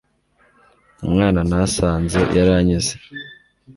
umwana nahasanze yaranyuze